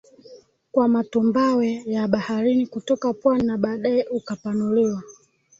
kwa matumbawe ya baharini kutoka pwani na baadaye ukapanuliwa